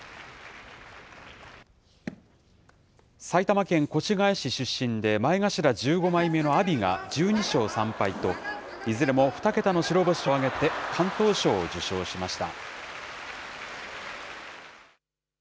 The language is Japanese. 埼玉県越谷市出身で前頭１５枚目の阿炎が１２勝３敗と、いずれも２桁の白星を挙げて敢闘賞を受賞しました。